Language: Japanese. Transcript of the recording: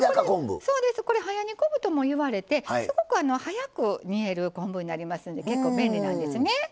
これ、早煮昆布ともいわれてすごく早く煮える昆布になりますんで結構、便利なんですね。